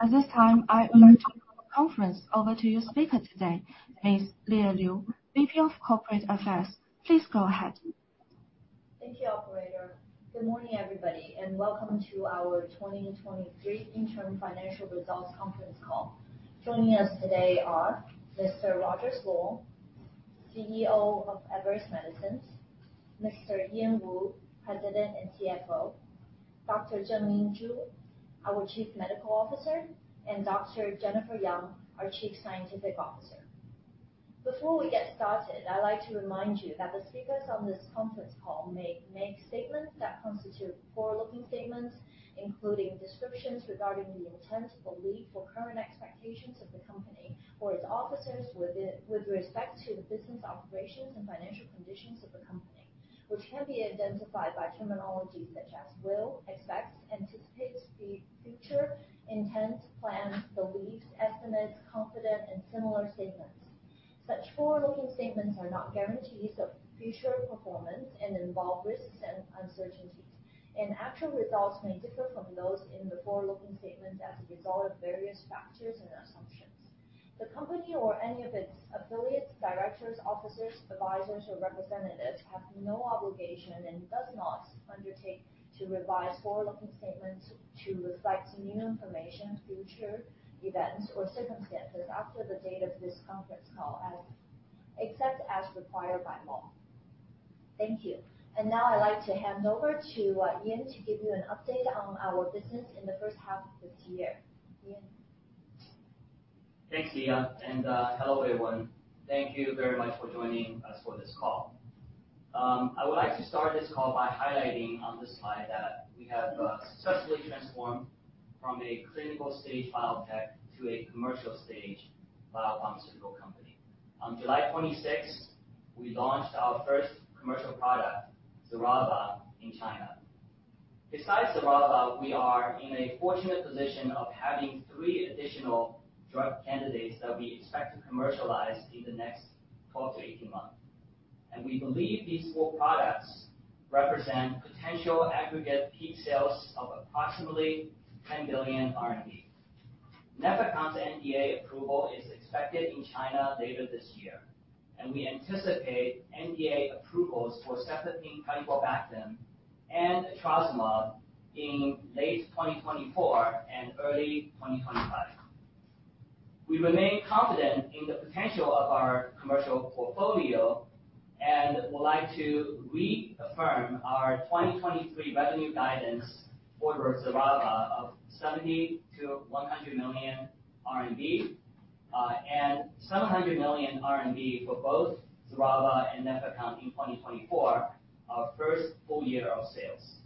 At this time, I would like to turn the conference over to your speaker today, Ms. Leah Liu, VP of Corporate Affairs. Please go ahead. Thank you, Operator. Good morning, everybody, and welcome to our 2023 interim financial results conference call. Joining us today are Mr. Rogers Luo, CEO of Everest Medicines, Mr. Ian Woo, President and CFO, Dr. Zhengying Zhu, our Chief Medical Officer, and Dr. Jennifer Yang, our Chief Scientific Officer. Before we get started, I'd like to remind you that the speakers on this conference call may make statements that constitute forward-looking statements, including descriptions regarding the intents, beliefs, or current expectations of the company or its officers with respect to the business operations and financial conditions of the company, which can be identified by terminology such as will, expects, anticipates, the future, intends, plans, believes, estimates, confident, and similar statements. Such forward-looking statements are not guarantees of future performance and involve risks and uncertainties, and actual results may differ from those in the forward-looking statements as a result of various factors and assumptions. The company or any of its affiliates, directors, officers, advisors, or representatives have no obligation and does not undertake to revise forward-looking statements to reflect new information, future events, or circumstances after the date of this conference call, except as required by law. Thank you. And now I'd like to hand over to Ian, to give you an update on our business in the first half of this year. Ian? Thanks, Leah, and hello, everyone. Thank you very much for joining us for this call. I would like to start this call by highlighting on this slide that we have successfully transformed from a clinical-stage biotech to a commercial-stage biopharmaceutical company. On July 26, we launched our first commercial product, Xerava, in China. Besides Xerava, we are in a fortunate position of having three additional drug candidates that we expect to commercialize in the next 12-18 months, and we believe these four products represent potential aggregate peak sales of approximately 10 billion RMB. Nefecon's NDA approval is expected in China later this year, and we anticipate NDA approvals for cefepime-taniborbactam and etrasimod in late 2024 and early 2025. We remain confident in the potential of our commercial portfolio and would like to reaffirm our 2023 revenue guidance for Xerava of 70 million-100 million RMB, and 700 million RMB for both Xerava and Nefecon in 2024, our first full year of sales.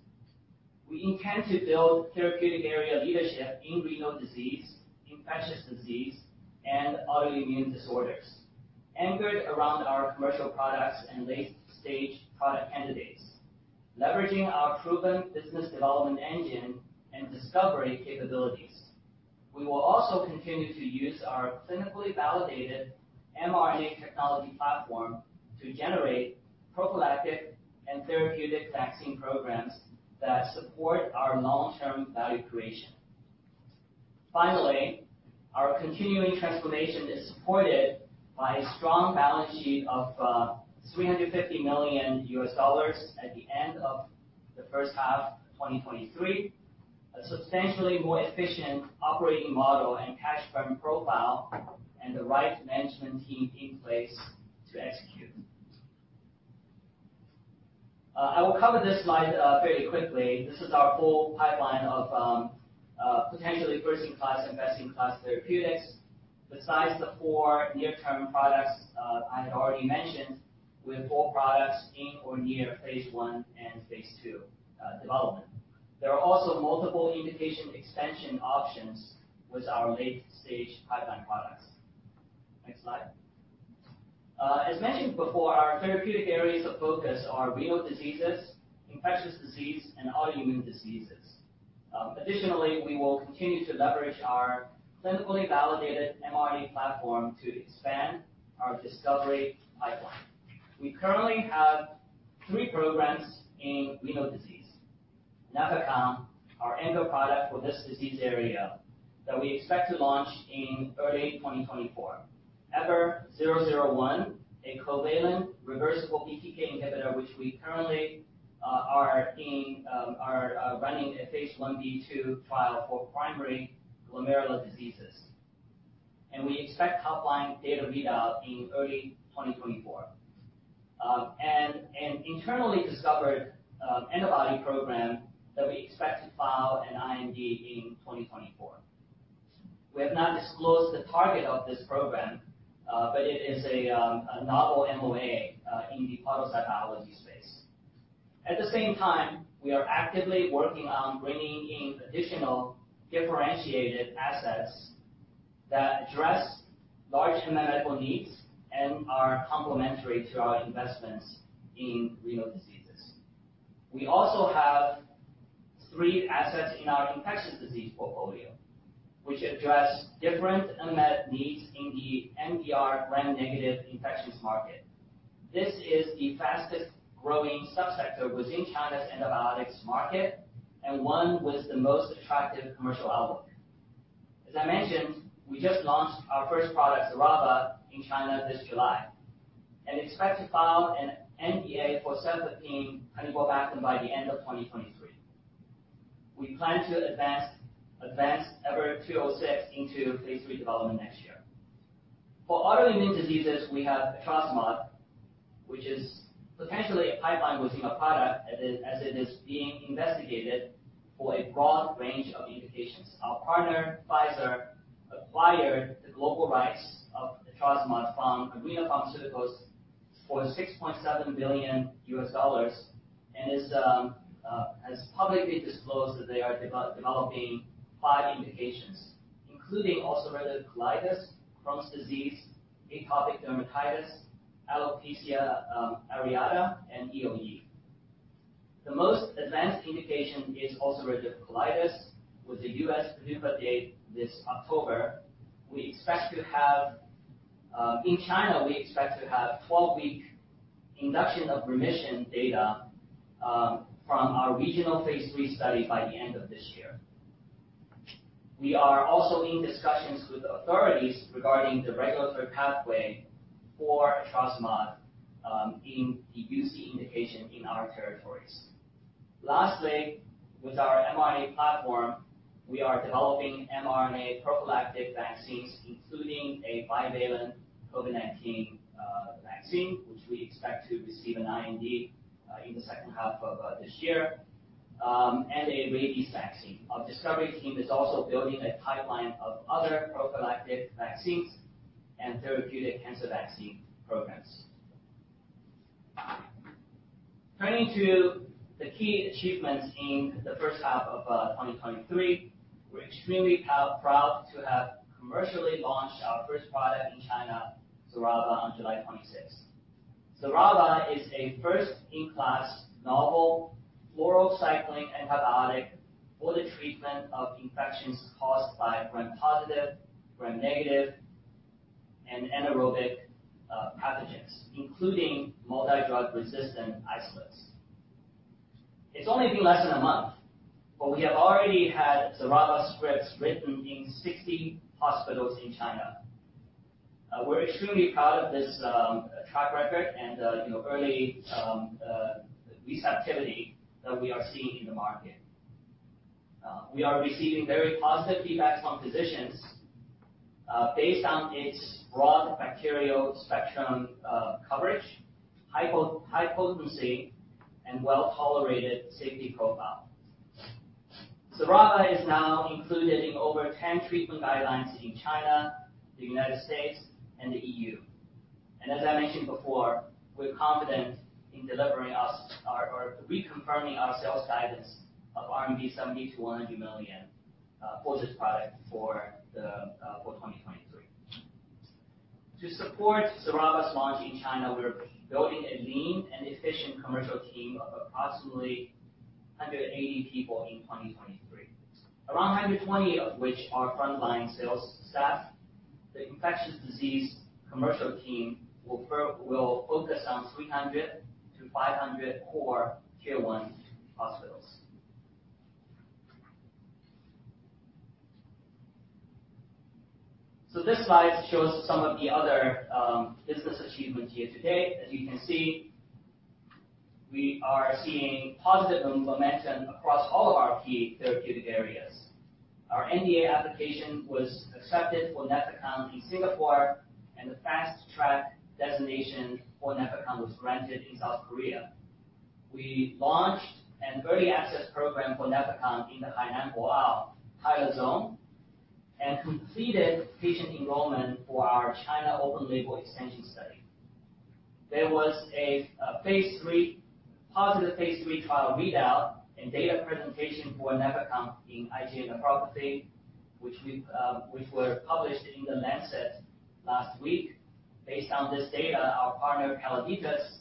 We intend to build therapeutic area leadership in renal disease, infectious disease, and autoimmune disorders, anchored around our commercial products and late-stage product candidates, leveraging our proven business development engine and discovery capabilities. We will also continue to use our clinically validated mRNA technology platform to generate prophylactic and therapeutic vaccine programs that support our long-term value creation. Finally, our continuing transformation is supported by a strong balance sheet of $350 million at the end of the first half of 2023, a substantially more efficient operating model and cash burn profile, and the right management team in place to execute. I will cover this slide fairly quickly. This is our full pipeline of potentially best-in-class and best-in-class therapeutics. Besides the four near-term products I had already mentioned, we have four products in or near phase I and phase II development. There are also multiple indication expansion options with our late-stage pipeline products. Next slide. As mentioned before, our therapeutic areas of focus are renal diseases, infectious disease, and autoimmune diseases. Additionally, we will continue to leverage our clinically validated mRNA platform to expand our discovery pipeline. We currently have three programs in renal disease. Nefecon, our anchor product for this disease area, that we expect to launch in early 2024. EVER001, a covalent reversible BTK inhibitor, which we currently are running a phase Ib/II trial for primary glomerular diseases, and we expect top-line data read out in early 2024. And internally discovered antibody program that we expect to file an IND in 2024. We have not disclosed the target of this program, but it is a novel MOA in the pathobiology space. At the same time, we are actively working on bringing in additional differentiated assets that address large medical needs and are complementary to our investments in renal diseases. We also have three assets in our infectious disease portfolio, which address different unmet needs in the MDR gram-negative infectious market. This is the fastest growing subsector within China's antibiotics market and one with the most attractive commercial outlook. As I mentioned, we just launched our first product, Xerava, in China this July, and expect to file an NDA for cefepime-taniborbactam by the end of 2023. We plan to advance EVER206 into phase III development next year. For autoimmune diseases, we have etrasimod, which is potentially a pipeline within a product as it is being investigated for a broad range of indications. Our partner, Pfizer, acquired the global rights of etrasimod from Arena Pharmaceuticals for $6.7 billion, and has publicly disclosed that they are developing five indications, including ulcerative colitis, Crohn's disease, atopic dermatitis, alopecia areata, and EoE. The most advanced indication is ulcerative colitis, with the US PDUFA date this October. We expect to have... In China, we expect to have 12-week induction of remission data, from our regional phase III study by the end of this year. We are also in discussions with the authorities regarding the regulatory pathway for etrasimod, in the UC indication in our territories. Lastly, with our mRNA platform, we are developing mRNA prophylactic vaccines, including a bivalent COVID-19, vaccine, which we expect to receive an IND, in the second half of, this year, and a rabies vaccine. Our discovery team is also building a pipeline of other prophylactic vaccines and therapeutic cancer vaccine programs. Turning to the key achievements in the first half of, 2023, we're extremely proud to have commercially launched our first product in China, Xerava, on July 26. Xerava is a first-in-class novel fluorocycline antibiotic for the treatment of infections caused by gram-positive, gram-negative, and anaerobic pathogens, including multi-drug resistant isolates. It's only been less than a month, but we have already had Xerava scripts written in 60 hospitals in China. We're extremely proud of this track record and the, you know, early receptivity that we are seeing in the market. We are receiving very positive feedbacks from physicians based on its broad bacterial spectrum coverage, high potency, and well-tolerated safety profile. Xerava is now included in over 10 treatment guidelines in China, the United States, and the EU. And as I mentioned before, we're confident in reconfirming our sales guidance of 70 million-100 million RMB for this product for 2023. To support Xerava's launch in China, we're building a lean and efficient commercial team of approximately 180 people in 2023. Around 120 of which are frontline sales staff. The infectious disease commercial team will focus on 300-500 core Tier One hospitals. So this slide shows some of the other business achievements year-to-date. As you can see, we are seeing positive momentum across all of our key therapeutic areas. Our NDA application was accepted for Nefecon in Singapore, and the fast track designation for Nefecon was granted in South Korea. We launched an early access program for Nefecon in the Hainan Boao Pilot Zone, and completed patient enrollment for our China open-label extension study. There was a phase three, positive phase three trial readout and data presentation for Nefecon in IgA nephropathy, which we've, which were published in The Lancet last week. Based on this data, our partner, Calliditas,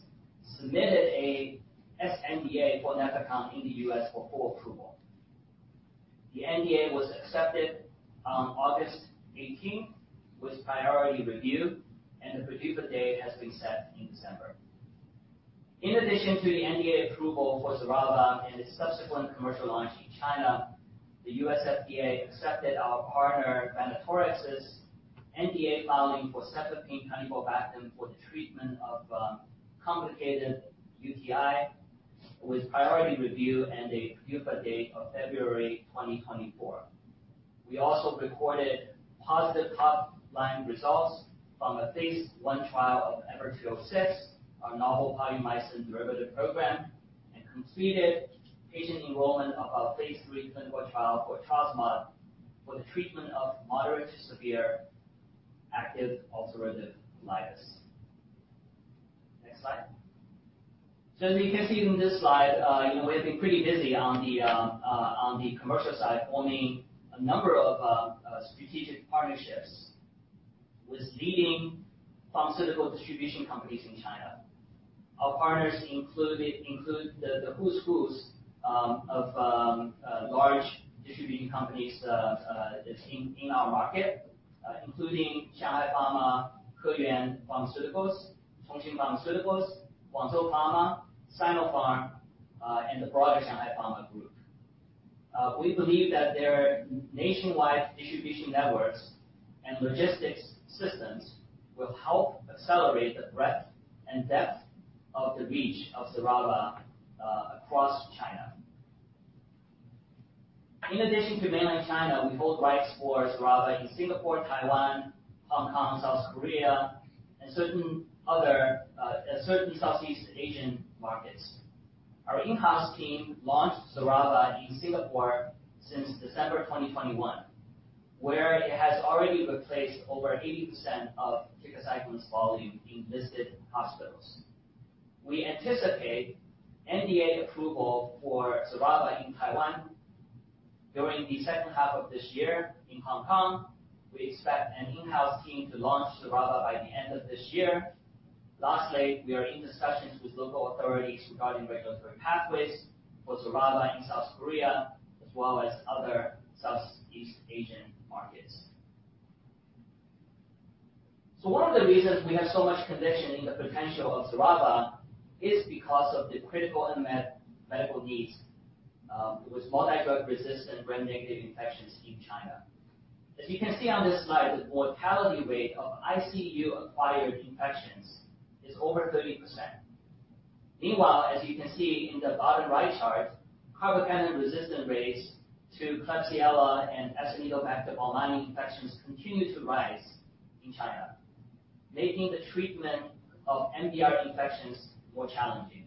submitted a sNDA for Nefecon in the U.S. for full approval. The NDA was accepted on August 18 with priority review, and the PDUFA date has been set in December. In addition to the NDA approval for Xerava and its subsequent commercial launch in China, the U.S. FDA accepted our partner, Venatorx's NDA filing for cefepime-taniborbactam for the treatment of complicated UTI, with priority review and a PDUFA date of February 2024. We also recorded positive top-line results from a phase I trial of EVER206, our novel polymyxin derivative program, and completed patient enrollment of our phase III clinical trial for etrasimod, for the treatment of moderate to severe active ulcerative colitis. Next slide. So as you can see from this slide, you know, we've been pretty busy on the commercial side, forming a number of strategic partnerships with leading pharmaceutical distribution companies in China. Our partners include the who's who of large distributing companies in our market, including Shanghai Pharma, Keyuan Pharmaceuticals, Chongqing Pharmaceuticals, Guangzhou Pharma, Sinopharm, and the broader Shanghai Pharma Group. We believe that their nationwide distribution networks and logistics systems will help accelerate the breadth and depth of the reach of Xerava across China. In addition to Mainland China, we hold rights for Xerava in Singapore, Taiwan, Hong Kong, South Korea, and certain other, and certain Southeast Asian markets. Our in-house team launched Xerava in Singapore since December 2021, where it has already replaced over 80% of tigecycline volume in listed hospitals. We anticipate NDA approval for Xerava in Taiwan during the second half of this year. In Hong Kong, we expect an in-house team to launch Xerava by the end of this year. Lastly, we are in discussions with local authorities regarding regulatory pathways for Xerava in South Korea, as well as other Southeast Asian markets. So one of the reasons we have so much conviction in the potential of Xerava is because of the critical unmet medical needs, with multi-drug resistant gram-negative infections in China. As you can see on this slide, the mortality rate of ICU-acquired infections is over 30%. Meanwhile, as you can see in the bottom right chart, carbapenem resistant rates to Klebsiella and Acinetobacter baumannii infections continue to rise in China, making the treatment of MDR infections more challenging.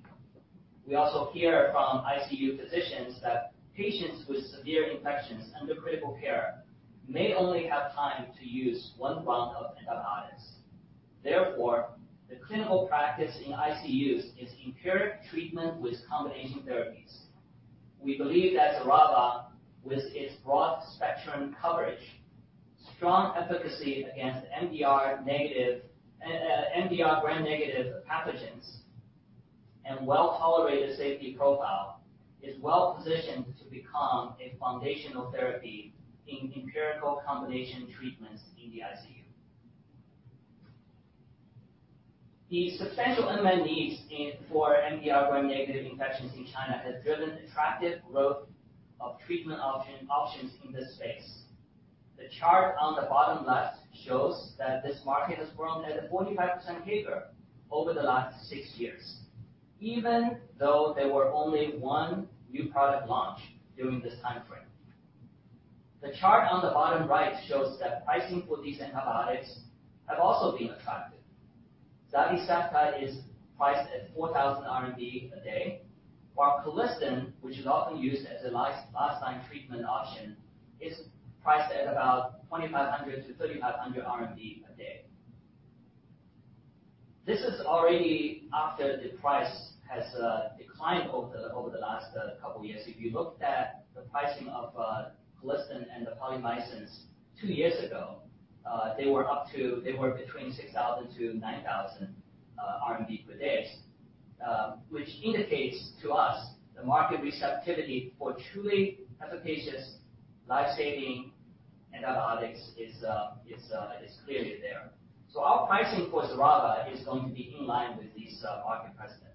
We also hear from ICU physicians that patients with severe infections under critical care may only have time to use one round of antibiotics. Therefore, the clinical practice in ICUs is empiric treatment with combination therapies. We believe that Xerava, with its broad-spectrum coverage, strong efficacy against MDR negative... MDR gram-negative pathogens, and well-tolerated safety profile, is well positioned to become a foundational therapy in empirical combination treatments in the ICU. The substantial unmet needs in-- for MDR gram-negative infections in China has driven attractive growth of treatment option, options in this space. The chart on the bottom left shows that this market has grown at a 45% CAGR over the last six years, even though there were only one new product launch during this time frame. The chart on the bottom right shows that pricing for these antibiotics have also been attractive. Zavicefta is priced at 4,000 RMB a day, while Colistin, which is often used as a last, last line treatment option, is priced at about 2,500-3,500 RMB a day. This is already after the price has declined over the last couple years. If you looked at the pricing of Colistin and the polymyxins two years ago, they were up to... They were between 6,000-9,000 RMB per day. Which indicates to us the market receptivity for truly efficacious life-saving antibiotics is clearly there. So our pricing for Xerava is going to be in line with these market precedents.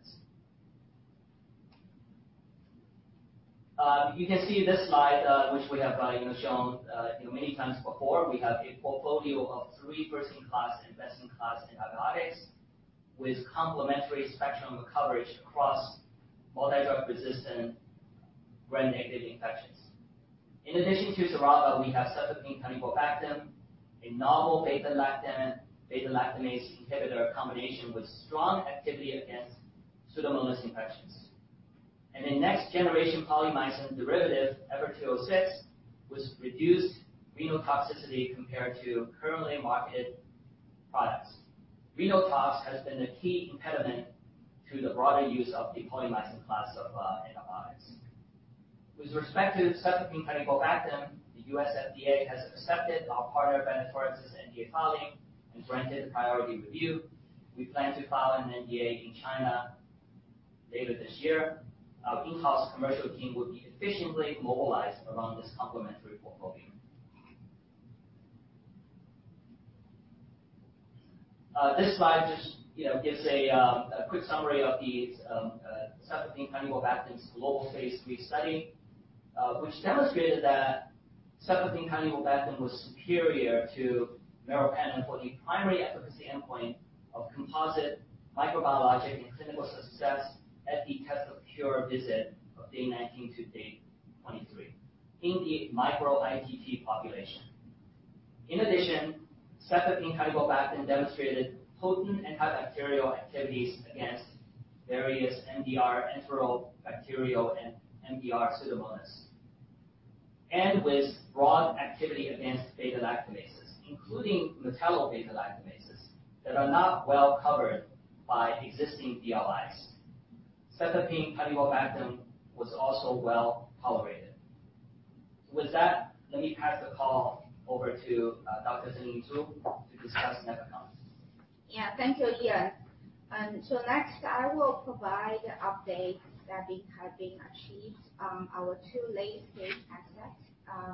You can see this slide, which we have, you know, shown, you know, many times before. We have a portfolio of three first-in-class and best-in-class antibiotics with complementary spectrum of coverage across multi-drug resistant gram-negative infections. In addition to Xerava, we have cefepime-taniborbactam, a novel beta-lactam, beta-lactamase inhibitor combination with strong activity against Pseudomonas infections. And the next generation polymyxin derivative, EVER206, with reduced renal toxicity compared to currently marketed products. Renal tox has been a key impediment to the broader use of the polymyxin class of antibiotics. With respect to cefepime-taniborbactam, the U.S. FDA has accepted our partner, Venatorx's NDA filing, and granted priority review. We plan to file an NDA in China later this year. Our in-house commercial team will be efficiently mobilized around this complementary portfolio. This slide just, you know, gives a quick summary of the cefepime-taniborbactam global phase III study, which demonstrated that cefepime-taniborbactam was superior to Meropenem for the primary efficacy endpoint of composite microbiologic and clinical success at the test of cure visit of day 19 to day 23 in the microITT population. In addition, cefepime-taniborbactam demonstrated potent antibacterial activities against various MDR Enterobacterales and MDR Pseudomonas, and with broad activity against beta-lactamases, including metallo-beta-lactamases, that are not well covered by existing BLIs. Cefepime-taniborbactam was also well tolerated. So with that, let me pass the call over to Dr. Zhengying Zhu to discuss Nefecon. Yeah, thank you, Ian. So next, I will provide updates that have been achieved on our two late-stage assets.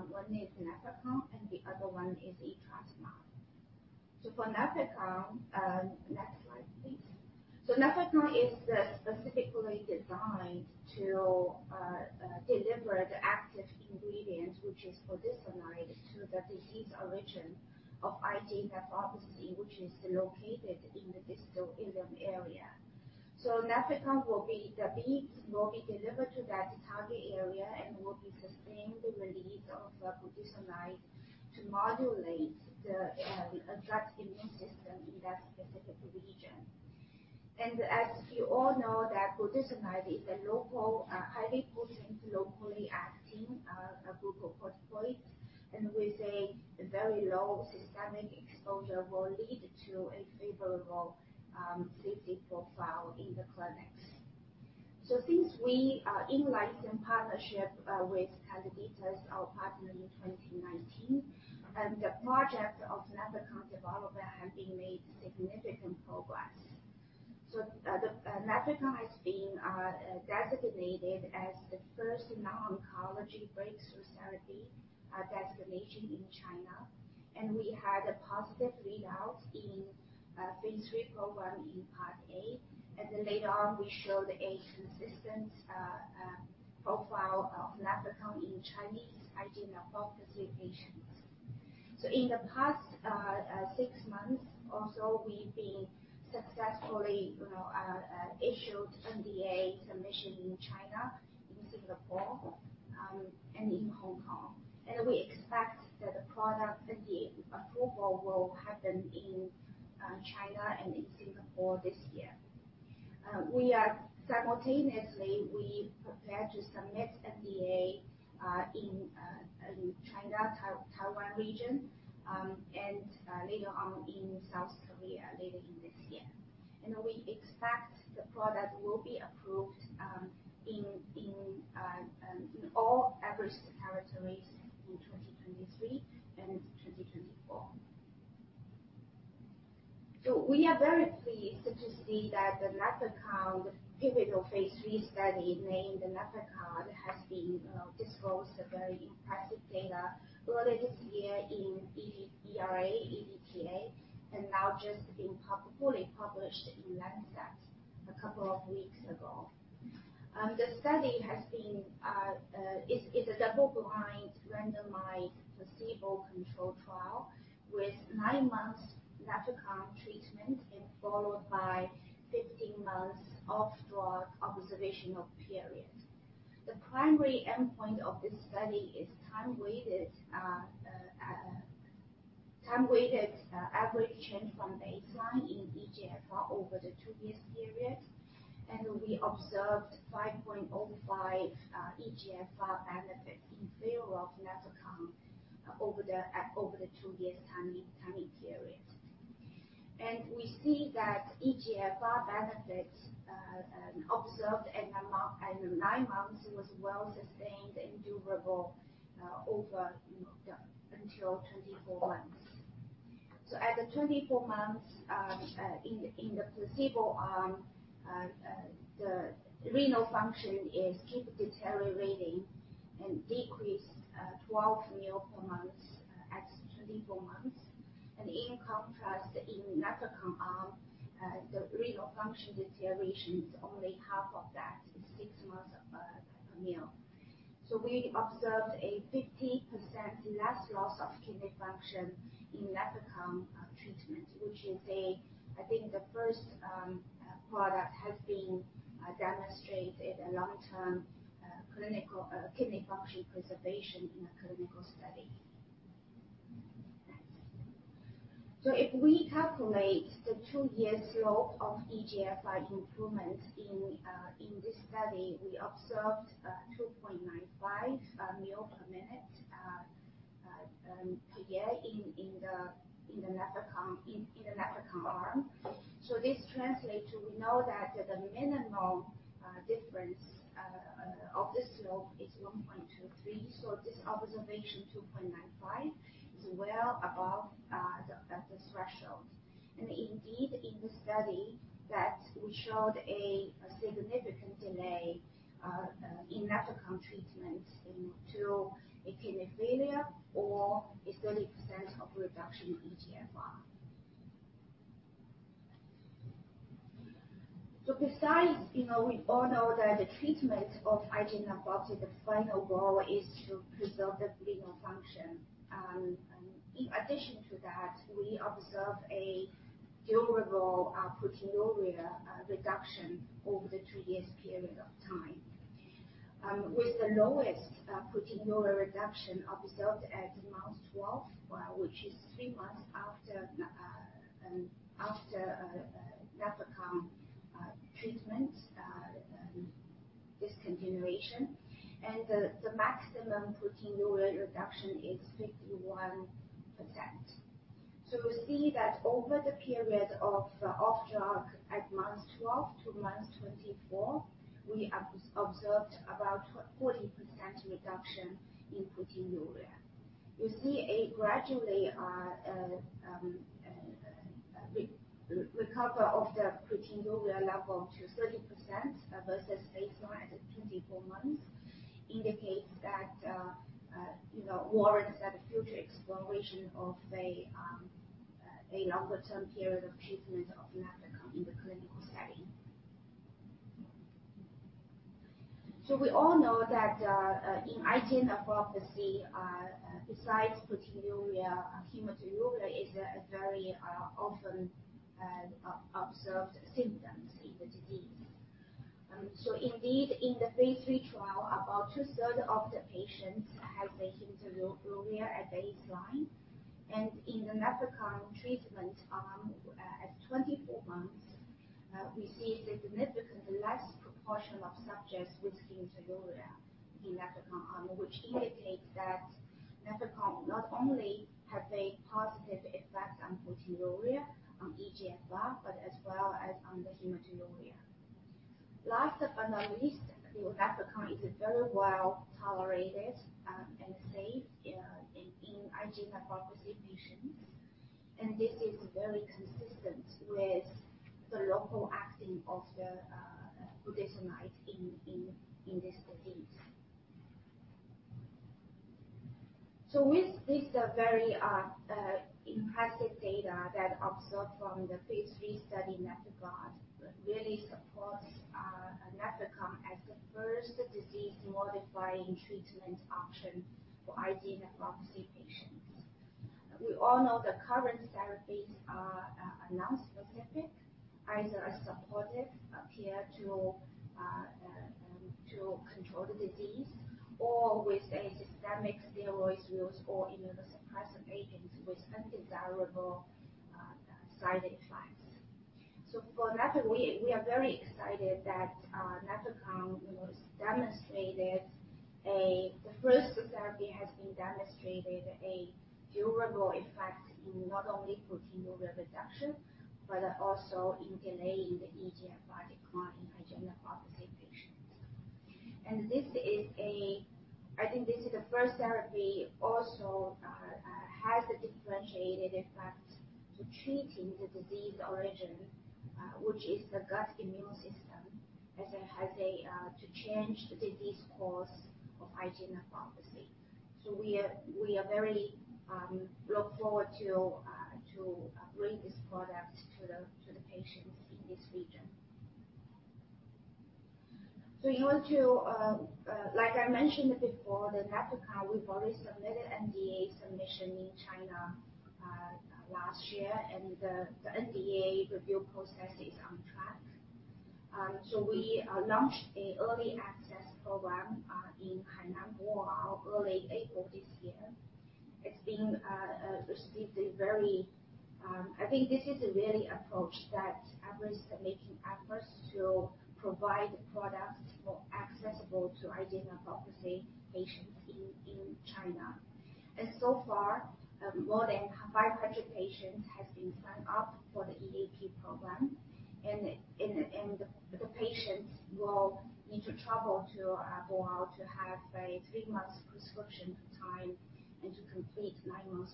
One is Nefecon, and the other one is etrasimod. So for Nefecon, next slide, please. So Nefecon is specifically designed to deliver the active ingredient, which is budesonide, to the disease origin of IgA nephropathy, which is located in the distal ileum area. So Nefecon will be—the beads will be delivered to that target area and will be sustained the release of the budesonide to modulate the gut immune system in that specific region. And as you all know, that budesonide is a local, highly potent, locally acting glucocorticoid, and with a very low systemic exposure will lead to a favorable safety profile in the clinics. So since we in-licensed partnership with Calliditas, our partner in 2019, and the project of Nefecon development has been made significant progress. So the Nefecon has been designated as the first non-oncology breakthrough therapy designation in China, and we had positive readouts in phase III program in part A, and then later on, we showed a consistent profile of Nefecon in Chinese IgA nephropathy patients. So in the past six months or so, we've been successfully, you know, issued NDA submission in China, in Singapore, and in Hong Kong. And we expect that the product, the approval, will happen in China and in Singapore this year. We are simultaneously, we prepare to submit NDA in China, Taiwan region, and later on in South Korea, later in this year. We expect the product will be approved in all other territories in 2023 and 2024. So we are very pleased to see that the Nefecon pivotal phase III study, named Nefecon, has been disclosed a very impressive data earlier this year in ERA-EDTA, and now just been fully published in Lancet a couple of weeks ago. The study is a double-blind, randomized, placebo-controlled trial with nine months Nefecon treatment and followed by 15 months off-drug observational period. The primary endpoint of this study is time-weighted average change from baseline in eGFR over the two-year period, and we observed 5.05 eGFR benefit in favor of Nefecon over the two-year period. We see that eGFR benefit observed at nine months was well sustained and durable over you know until 24 months. So at the 24 months in the placebo arm the renal function is keep deteriorating and decreased 12 mL per month at 24 months. In contrast, in Nefecon arm the renal function deterioration is only half of that, 6 mL. So we observed a 50% less loss of kidney function in Nefecon treatment, which is a... I think the first product has been demonstrated a long-term clinical kidney function preservation in a clinical study. Next. So if we calculate the two-year slope of eGFR improvement in this study, we observed 2.95 ml/min/year in the Nefecon arm. So this translates to, we know that the minimum difference of this slope is 1.23. So this observation, 2.95, is well above the threshold. And indeed, in the study that we showed a significant delay in Nefecon treatment until a kidney failure or a 30% of reduction in eGFR. So besides, you know, we all know that the treatment of IgA nephropathy, the final goal is to preserve the renal function. In addition to that, we observe a durable proteinuria reduction over the 2-year period of time. With the lowest proteinuria reduction observed at month 12, which is three months after Nefecon treatment discontinuation, and the maximum proteinuria reduction is 51%.... So we see that over the period of off drug at month 12 to month 24, we observed about 40% reduction in proteinuria. You see a gradual recovery of the proteinuria level to 30%, versus baseline at 24 months, indicates that, you know, warrants a future exploration of a longer-term period of treatment of Nefecon in the clinical setting. So we all know that, in IgA nephropathy, besides proteinuria, hematuria is a very often observed symptoms in the disease. So indeed, in the phase III trial, about two-thirds of the patients had the hematuria at baseline, and in the Nefecon treatment arm, at 24 months, we see a significant less proportion of subjects with hematuria in Nefecon arm, which indicates that Nefecon not only have a positive effect on proteinuria, on eGFR, but as well as on the hematuria. Last but not least, Nefecon is very well tolerated and safe in IgA nephropathy patients, and this is very consistent with the local action of the budesonide in this disease. So with this very impressive data that observed from the phase III study NefIgArd, really supports Nefecon as the first disease-modifying treatment option for IgA nephropathy patients. We all know the current therapies are non-specific, either a supportive care to control the disease, or with a systemic steroids use or immunosuppressive agents with undesirable side effects. So for Nefecon, we are very excited that Nefecon, you know, has demonstrated a... The first therapy has been demonstrated a durable effect in not only proteinuria reduction, but also in delaying the eGFR decline in IgA nephropathy patients. And this is, I think, the first therapy also has a differentiated effect to treating the disease origin, which is the gut immune system, as it has a to change the disease course of IgA nephropathy. So we are, we are very look forward to, to, bring this product to the, to the patients in this region. So we want to, like I mentioned before, the Nefecon, we've already submitted NDA submission in China, last year, and the NDA review process is on track. So we launched an early access program in Hainan, Boao, early April this year. It's been received a very... I think this is a really approach that Everest making efforts to provide products more accessible to IgA nephropathy patients in China. And so far, more than 500 patients has been signed up for the EAP program, and the patients will need to travel to Boao to have a three-month prescription time and to complete nine months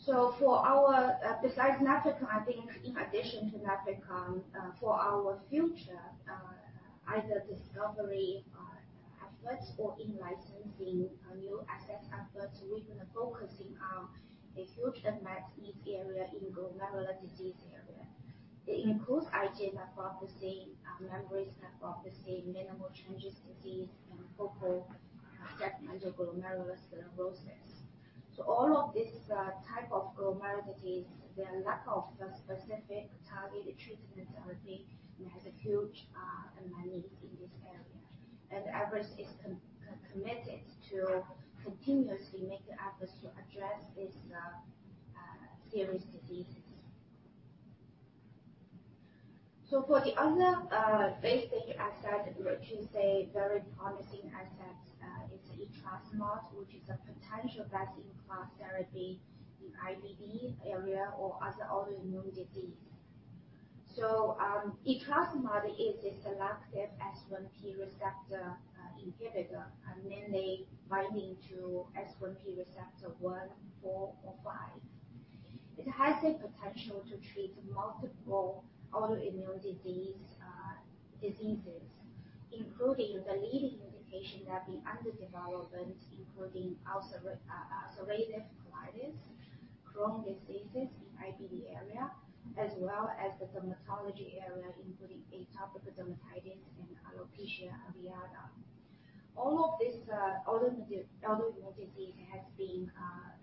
treatment period. So for our, besides Nefecon, I think in addition to Nefecon, for our future, either discovery efforts or in licensing new asset efforts, we're going to focusing on a huge unmet need area in glomerular disease area. It includes IgA nephropathy, membranous nephropathy, minimal change disease, and focal segmental glomerulosclerosis. So all of these type of glomerular disease, there are lack of specific targeted treatment therapy, and has a huge unmet need in this area. And Everest is committed to continuously making efforts to address these serious diseases. So for the other phase III asset, which is a very promising asset, it's etrasimod, which is a potential best-in-class therapy in IBD area or other autoimmune disease. So, etrasimod is a selective S1P receptor inhibitor, and mainly binding to S1P receptor 1, 4 or 5. It has the potential to treat multiple autoimmune diseases, including the leading indication that be under development, including ulcerative colitis, Crohn's disease in IBD area, as well as the dermatology area, including atopic dermatitis and alopecia areata. All of this autoimmune disease has been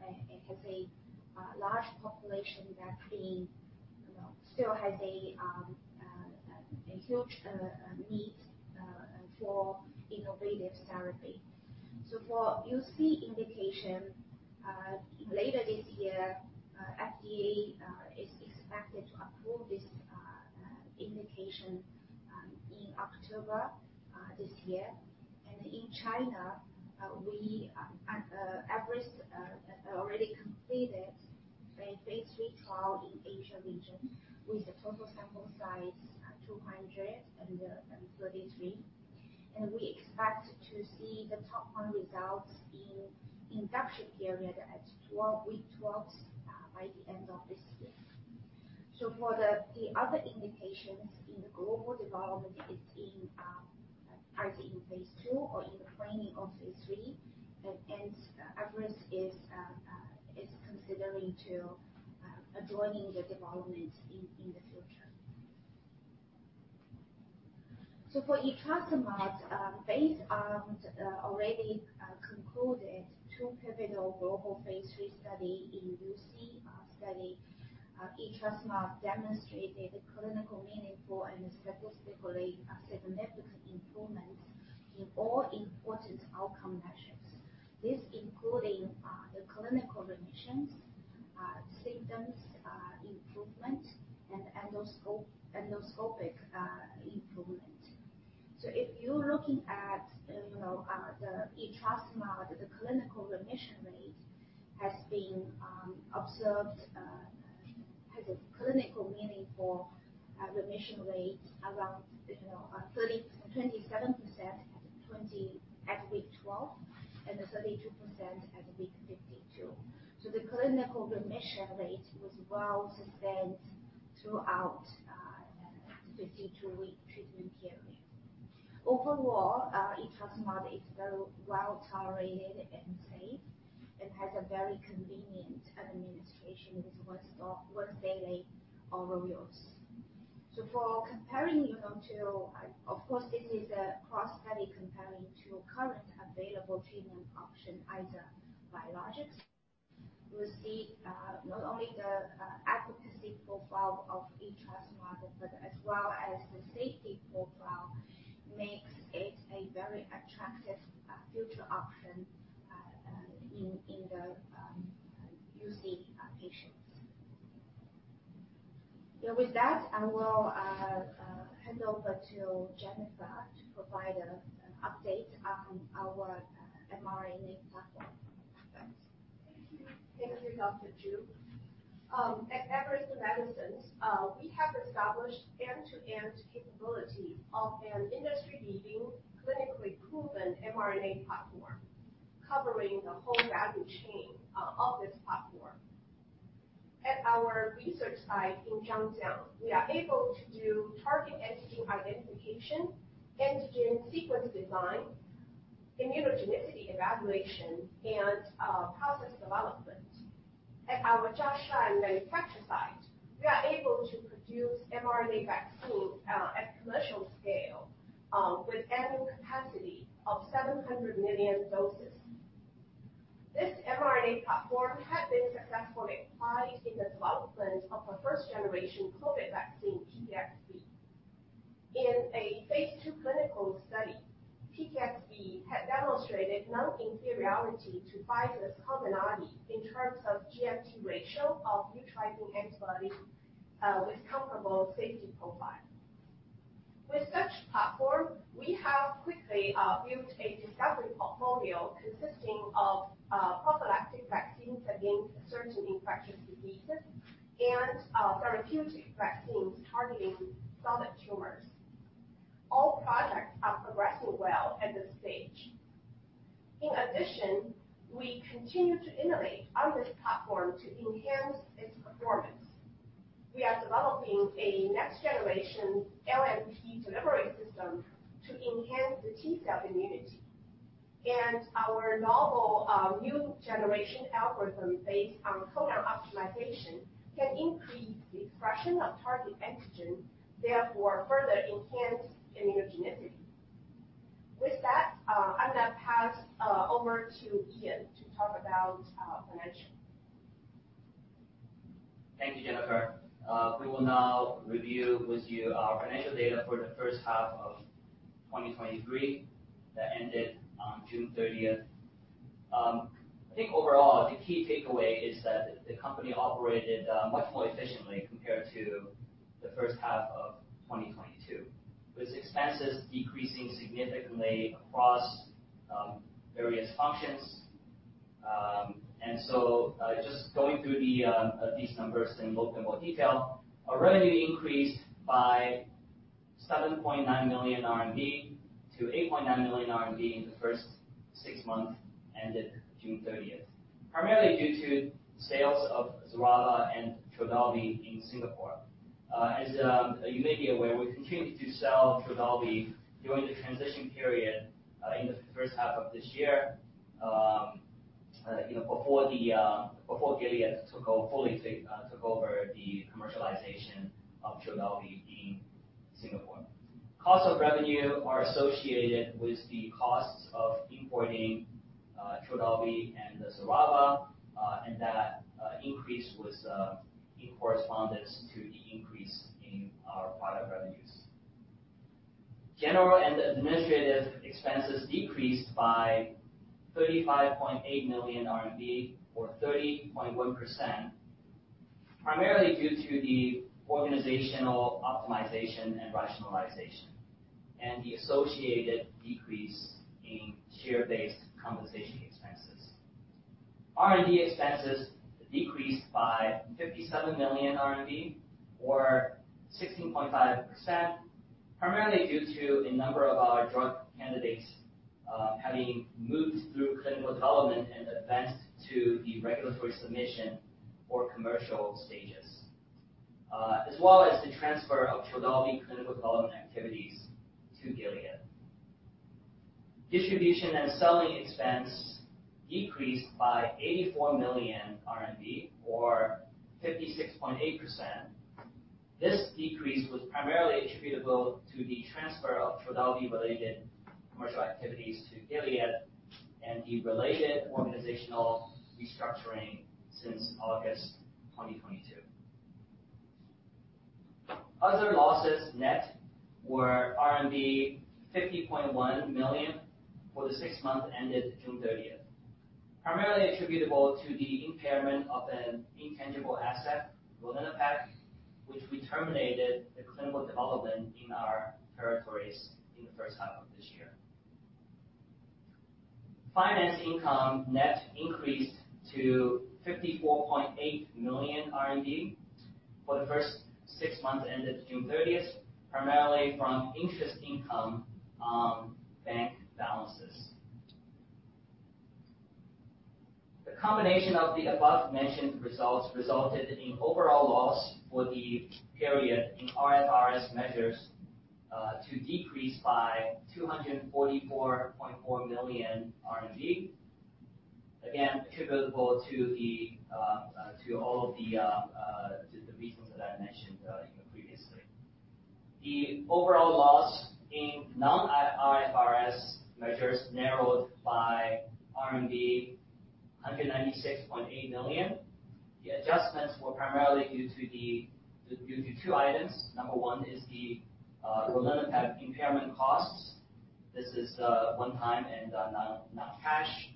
it has a large population that being, you know, still has a a huge need for innovative therapy. So for UC indication, later this year, FDA is expected to approve this. indication in October this year. And in China, we at Everest already completed a phase III trial in Asia region with a total sample size 233. And we expect to see the top-line results in induction period at week 12 by the end of this year. So for the other indications in the global development is either in phase II or in the planning of phase III. And Everest is considering joining the development in the future. So for etrasimod, based on already concluded two pivotal global phase III study in UC, study, etrasimod demonstrated a clinically meaningful and statistically significant improvements in all important outcome measures. This including the clinical remissions, symptoms improvement, and endoscopic improvement. So if you're looking at, you know, the etrasimod, the clinical remission rate has been observed has a clinical meaningful remission rate around, you know, 27% at week 12, and 32% at week 52. So the clinical remission rate was well sustained throughout the 52-week treatment period. Overall, etrasimod is very well tolerated and safe, and has a very convenient administration. It's once daily oral use. So for comparing, you know, to, of course, this is a cross study comparing to current available treatment option, either biologics. You will see not only the efficacy profile of etrasimod, but as well as the safety profile makes it a very attractive future option in the UC patients. With that, I will hand over to Jennifer to provide an update on our mRNA platform. Thanks. Thank you. Thank you, Dr. Zhu. At Everest Medicines, we have established end-to-end capability of an industry-leading, clinically proven mRNA platform, covering the whole value chain of this platform. At our research site in Zhangjiang, we are able to do target antigen identification, antigen sequence design, immunogenicity evaluation, and process development. At our Jiangsu manufacturing site, we are able to produce mRNA vaccine at commercial scale, with annual capacity of 700 million doses. This mRNA platform has been successfully applied in the development of the first-generation COVID vaccine, PTX-COVID19-B. In a phase II clinical study, PTX-COVID19-B had demonstrated non-inferiority to Pfizer's Comirnaty in terms of GMT ratio of neutralizing antibody, with comparable safety profile. With such platform, we have quickly built a discovery portfolio consisting of prophylactic vaccines against certain infectious diseases and therapeutic vaccines targeting solid tumors. All products are progressing well at this stage. In addition, we continue to innovate on this platform to enhance its performance. We are developing a next generation LNP delivery system to enhance the T-cell immunity. Our novel, new generation algorithm based on codon optimization, can increase the expression of target antigen, therefore further enhance immunogenicity. With that, I'm going to pass over to Ian to talk about financial. Thank you, Jennifer. We will now review with you our financial data for the first half of 2023, that ended on June thirtieth. I think overall, the key takeaway is that the company operated much more efficiently compared to the first half of 2022, with expenses decreasing significantly across various functions. So, just going through these numbers in more detail. Our revenue increased by 7.9 million-8.9 million RMB in the first six months ended June 30th. Primarily due to sales of Xerava and Trodelvy in Singapore. As you may be aware, we continued to sell Trodelvy during the transition period in the first half of this year, you know, before Gilead took over the commercialization of Trodelvy in Singapore. Cost of revenue are associated with the costs of importing Trodelvy and the Xerava, and that increase was in correspondence to the increase in our product revenue. General and administrative expenses decreased by 35.8 million RMB, or 30.1%, primarily due to the organizational optimization and rationalization and the associated decrease in share-based compensation expenses. R&D expenses decreased by CNY 57 million, or 16.5%, primarily due to a number of our drug candidates having moved through clinical development and advanced to the regulatory submission or commercial stages, as well as the transfer of Trodelvy clinical development activities to Gilead. Distribution and selling expense decreased by CNY 84 million, or 56.8%. This decrease was primarily attributable to the transfer of Trodelvy-related commercial activities to Gilead and the related organizational restructuring since August 2022. Other losses net were RMB 50.1 million for the six months ended June 30, primarily attributable to the impairment of an intangible asset, Roneparstat, which we terminated the clinical development in our territories in the first half of this year. Finance income net increased to 54.8 million RMB for the first six months ended June 30, primarily from interest income on bank balances. The combination of the above-mentioned results resulted in overall loss for the period in IFRS measures to decrease by 244.4 million RMB. Again, attributable to the, to all of the, to the reasons that I mentioned previously. The overall loss in non-IFRS measures narrowed by RMB 196.8 million. The adjustments were primarily due to two items. Number one is the Roneparstat impairment costs. This is one time and not cash,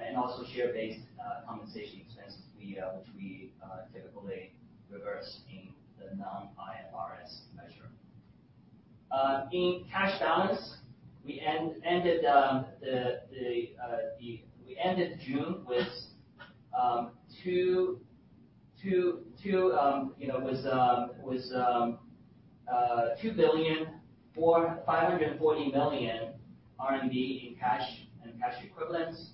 and also share-based compensation expenses, which we typically reverse in the non-IFRS measure. In cash balance, we ended June with 2.45 billion in cash and cash equivalents.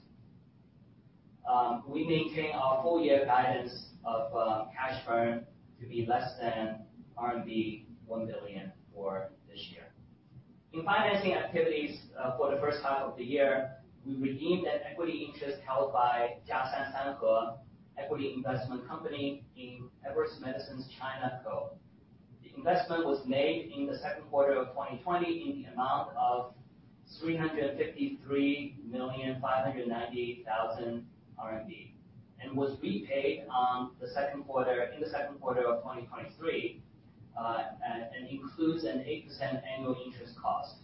We maintain our full year guidance of cash burn to be less than RMB 1 billion for this year. In financing activities, for the first half of the year, we redeemed an equity interest held by Jiashan Sanhe Equity Investment Company in Everest Medicines China Co. The investment was made in the second quarter of 2020, in the amount of 353.598 million RMB, and was repaid in the second quarter of 2023, and includes an 8% annual interest cost.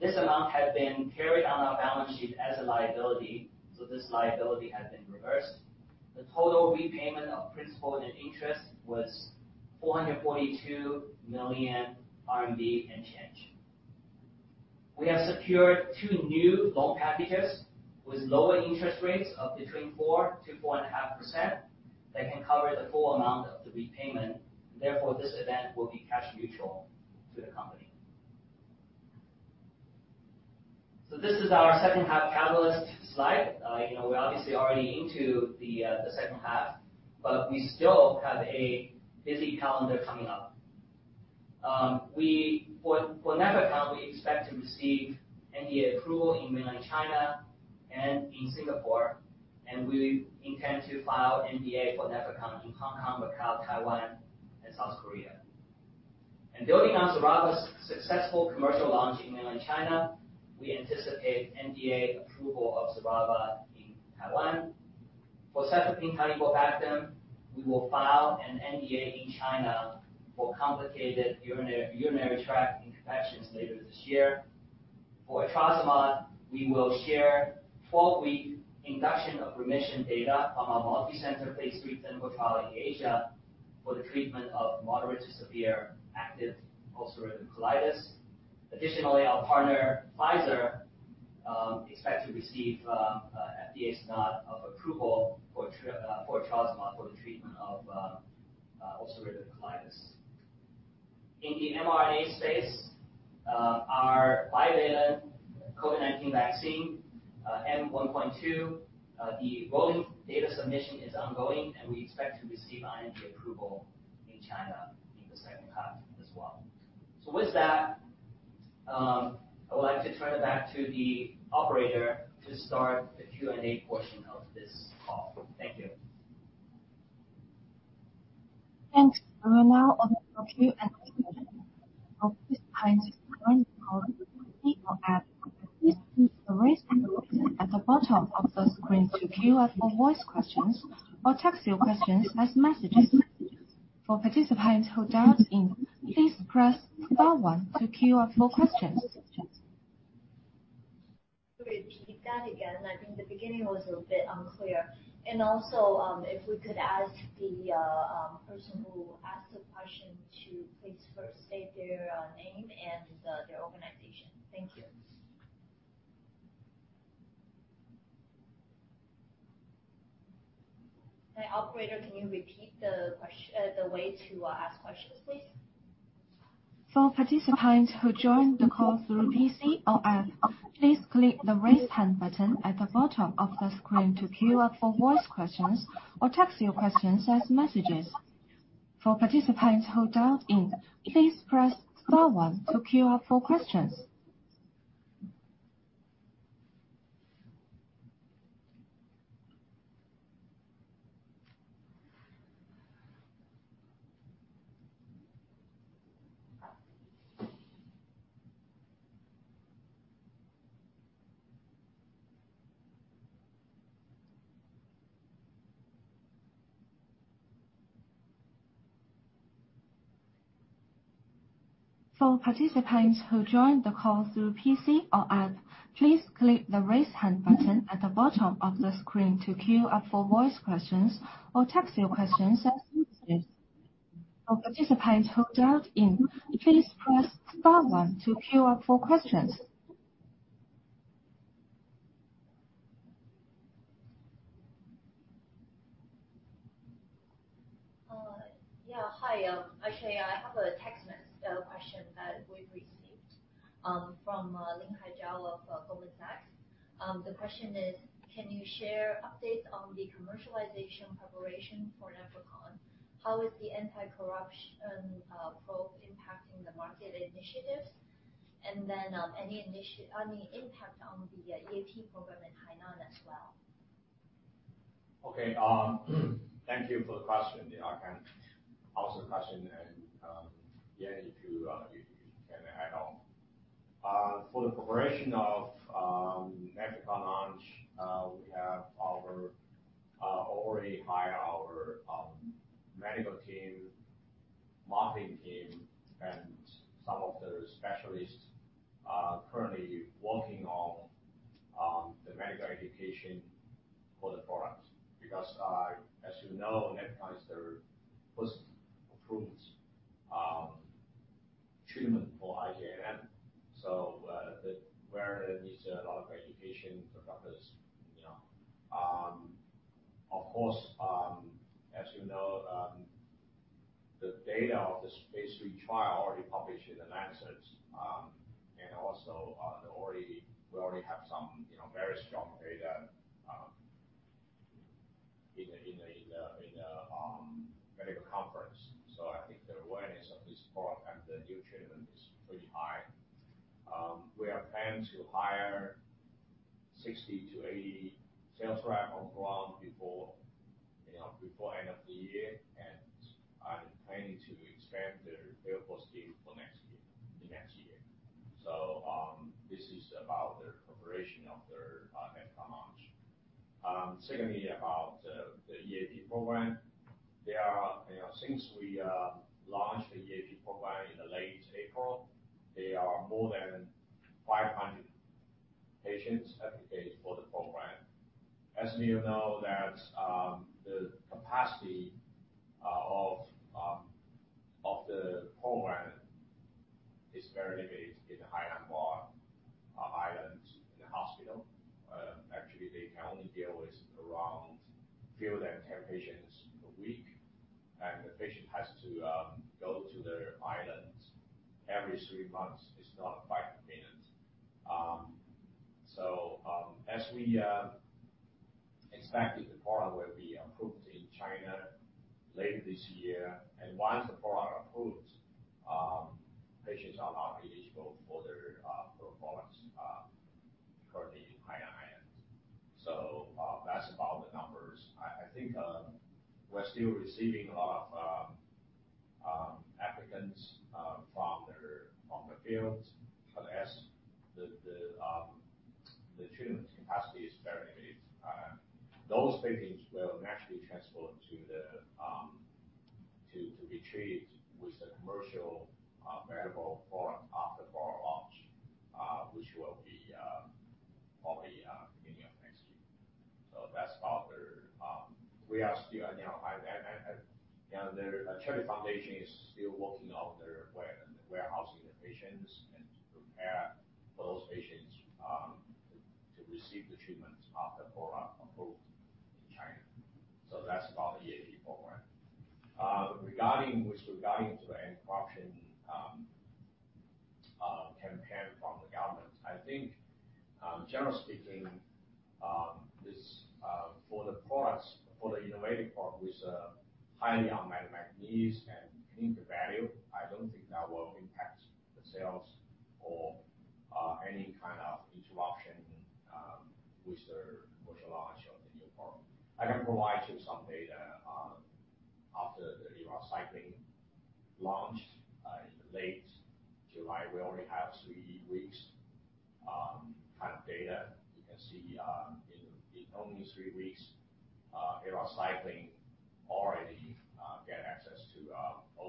This amount had been carried on our balance sheet as a liability, so this liability has been reversed. The total repayment of principal and interest was 442 million RMB and change. We have secured two new loan packages with lower interest rates of between 4%-4.5%. They can cover the full amount of the repayment, therefore, this event will be cash neutral to the company. So this is our second half catalyst slide. You know, we're obviously already into the second half, but we still have a busy calendar coming up. For Nefecon, we expect to receive NDA approval in Mainland China and in Singapore, and we intend to file NDA for Nefecon in Hong Kong, Macau, Taiwan, and South Korea. Building on Xerava's successful commercial launch in Mainland China, we anticipate NDA approval of Xerava in Taiwan. For cefepime-taniborbactam, we will file an NDA in China for complicated urinary tract infections later this year. For etrasimod, we will share 12-week induction of remission data from a multicenter phase III clinical trial in Asia for the treatment of moderate to severe active ulcerative colitis. Additionally, our partner, Pfizer, expect to receive FDA's nod of approval for etrasimod for the treatment of ulcerative colitis. In the mRNA space, our bivalent COVID-19 vaccine, M1.2, the rolling data submission is ongoing, and we expect to receive NDA approval in China in the second half as well. So with that, I would like to turn it back to the operator to start the Q&A portion of this call. Thank you. Thanks. We're now on the Q&A session. Please use the raise hand button at the bottom of the screen to queue up for voice questions or text your questions as messages. For participants who dialed in, please press star one to queue up for questions. Could you repeat that again? I think the beginning was a bit unclear. And also, if we could ask the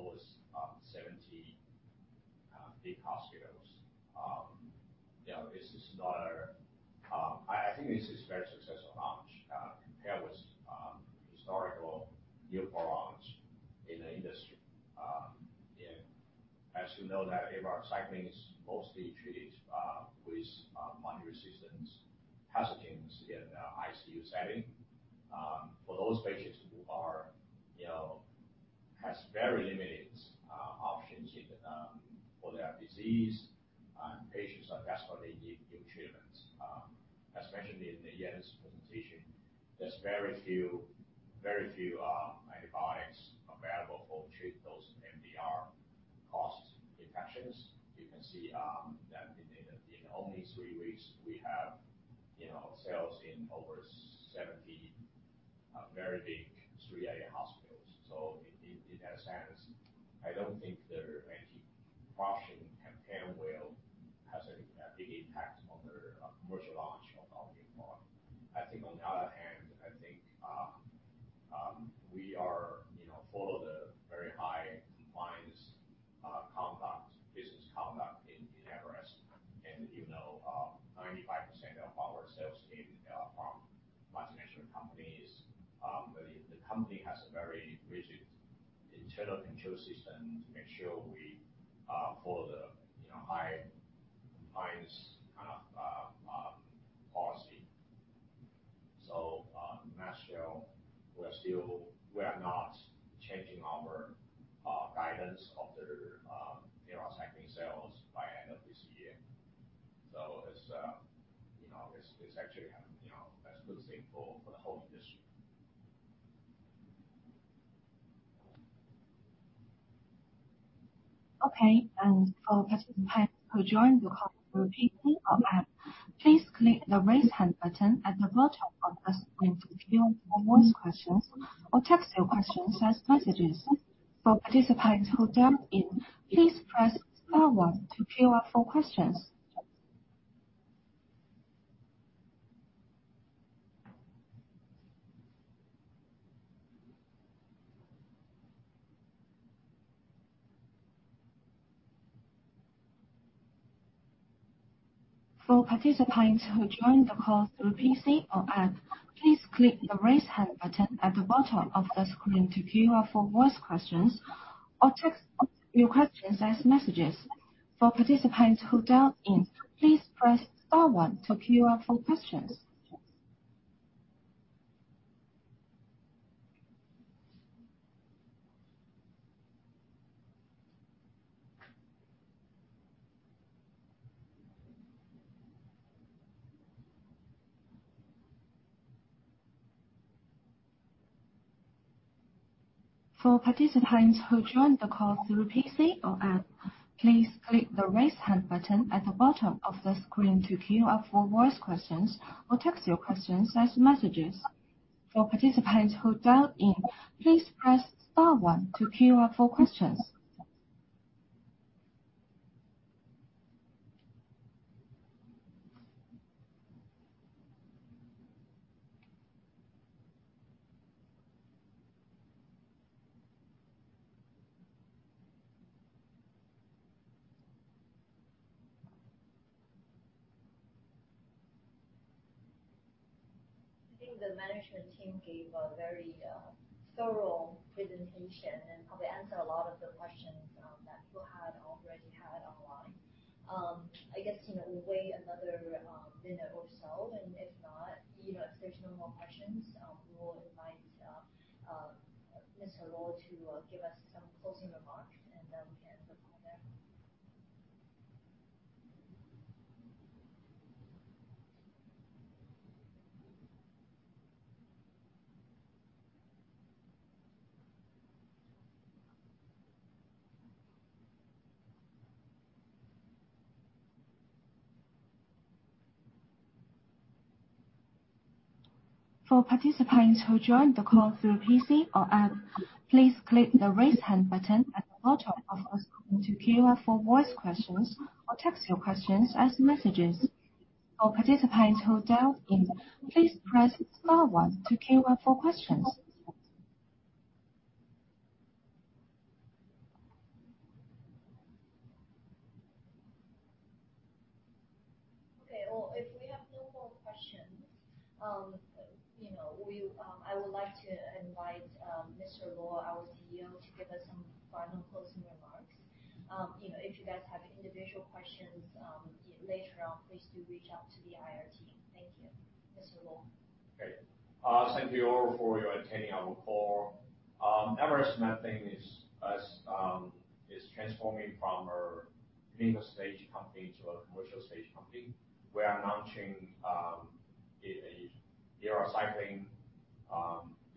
person who asked the question to please first state their name and their organization. Thank you. Hey, operator, can you repeat the question, the way to ask questions, please? For participants who joined the call through PC or app, please click the Raise Hand button at the bottom of the screen to queue up for voice questions or text your questions as messages. For participants who dialed in, please press star one to queue up for questions. For participants who joined the call through PC or app, please click the Raise Hand button at the bottom of the screen to queue up for voice questions or text your questions as messages. For participants who dialed in, please press star one to queue up for questions.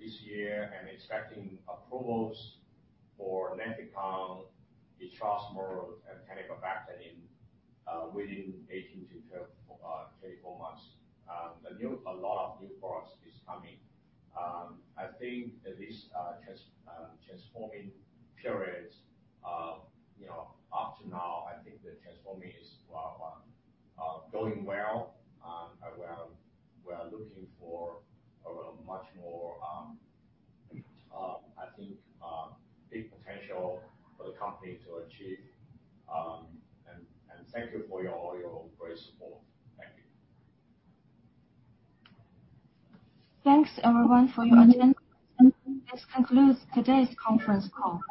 this year and expecting approvals for Nefecon, etrasimod, and cefepime-taniborbactam within 18-24 months. A lot of new products is coming. I think that this transforming period, you know, up to now, I think the transforming is going well. We are looking for a much more, I think, big potential for the company to achieve. And thank you for all your great support. Thank you. Thanks, everyone, for your attendance. This concludes today's conference call.